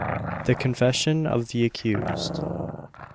THE CONFESSION OF THE ACCUSED.